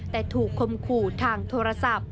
แต่ถูกคมขู่ทางโทรศัพท์